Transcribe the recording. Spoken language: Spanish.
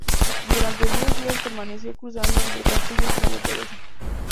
Durante diez días permaneció cruzando entre Castillos y Santa Teresa.